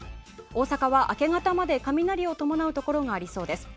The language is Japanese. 大阪は明け方まで雷を伴うところがありそうです。